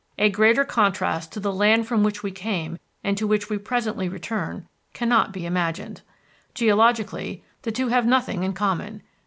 A greater contrast to the land from which we came and to which we presently return cannot be imagined. Geologically, the two have nothing in common.